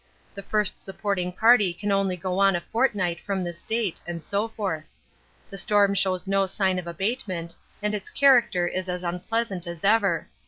The first supporting party can only go on a fortnight from this date and so forth. The storm shows no sign of abatement and its character is as unpleasant as ever.